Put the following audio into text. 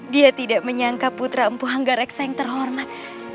dia tidak menyangka putra empu hanggareksa yang terhormat